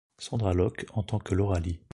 Sondra Locke en tant que Laura Lee.